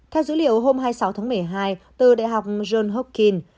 theo dữ liệu hôm hai mươi sáu tháng một mươi hai từ đại học john hokkin